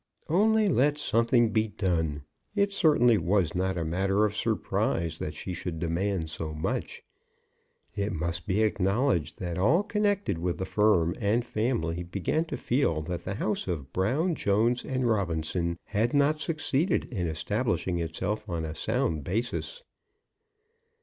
Only let something be done. It certainly was not a matter of surprise that she should demand so much. It must be acknowledged that all connected with the firm and family began to feel that the house of Brown, Jones, and Robinson, had not succeeded in establishing itself on a sound basis.